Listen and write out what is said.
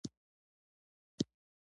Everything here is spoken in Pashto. د نوموړي وینا د ټولو خوښه شوه.